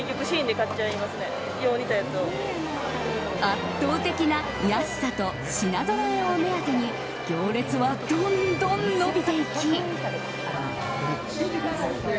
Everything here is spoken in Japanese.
圧倒的な安さと品ぞろえを目当てに行列はどんどん伸びていき。